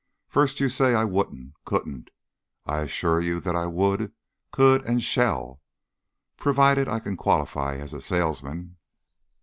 First, you say I 'wouldn't, couldn't'; I assure you that I would, could and shall, provided I can qualify as a salesman."